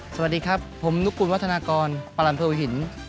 สวัสดีครับผมนุกกุลวัฒนากรประหลังเที่ยววิหิน